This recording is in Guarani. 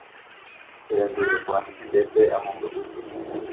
Che rembireko añoitépe amombe'úkuri.